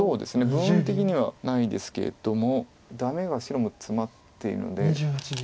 部分的にはないですけれどもダメが白もツマっているので。